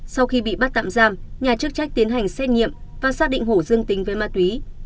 sau khi bị bắt tạm giam nhà chức trách tiến hành xét nghiệm và xác định hổ dương tính với ma túy